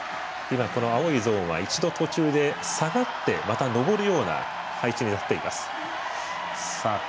青いゾーンは一度、途中で下がってまた登るような配置になっています。